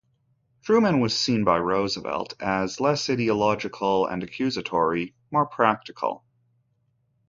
Truman was seen by Roosevelt as less ideological and accusatory, more practical.